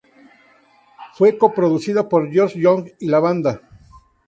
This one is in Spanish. Fue co-producida por George Young y la banda.